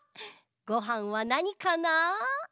ごはんはなにかな？